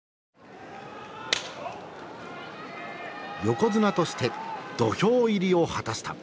横綱として土俵入りを果たした。